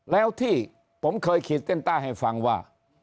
แล้วที่ผมเคยขีดเส้นใต้ให้ฟังว่า